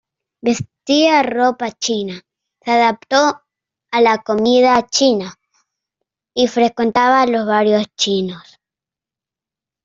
Vestía ropa china, se adaptó a la comida china y frecuentaba los barrios chinos.